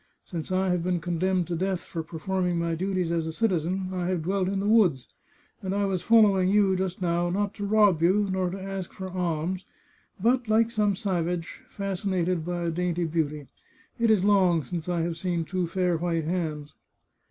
Since I have been con demned to death for performing my duties as a citizen I have dwelt in the woods, and I was following you, just now, not to rob you, nor to ask for alms, but, like some savage, fasci nated by a dainty beauty. It is long since I have seen two fair white hands."